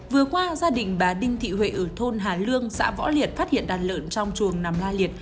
vừa qua gia đình bà đinh thị huệ ở thôn hà lương xã võ liệt phát hiện đàn lợn trong chuồng nằm la liệt